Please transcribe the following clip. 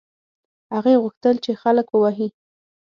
هغې غوښتل چې خلک ووهي.